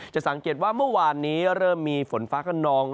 จะสังเกตว่าเมื่อวานนี้เริ่มมีฝนฟ้าขนอง